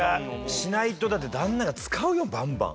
しないとだって旦那が使うよバンバン。